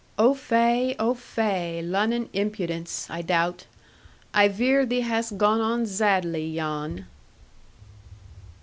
'Oh fai, oh fai! Lunnon impudence, I doubt. I vear thee hast gone on zadly, Jan.'